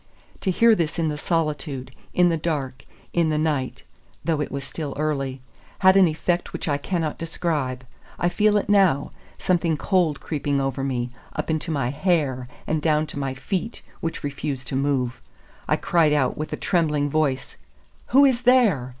To hear this in the solitude, in the dark, in the night (though it was still early), had an effect which I cannot describe. I feel it now, something cold creeping over me, up into my hair, and down to my feet, which refused to move. I cried out, with a trembling voice, "Who is there?"